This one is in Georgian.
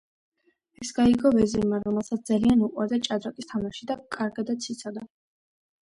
ეს გაიგო ვეზირმა, რომელსაც ძალიან უყვარდა ჭადრაკის თამაში და კარგადაც იცოდა.